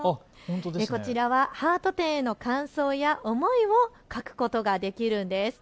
こちらはハート展への感想や思いを書くことができるんです。